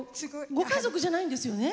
ご家族じゃないんですよね？